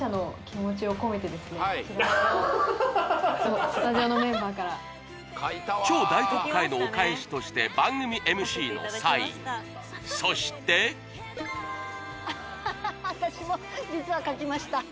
こちらをスタジオのメンバーから超大特価へのお返しとして番組ＭＣのサインそして私も実は書きました